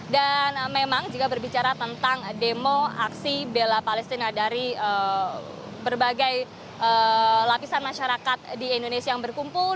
dan memang jika berbicara tentang demo aksi bela palestina dari berbagai lapisan masyarakat di indonesia yang berkumpul